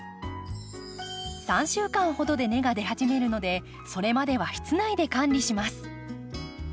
３週間ほどで根が出始めるのでそれまでは室内で管理します。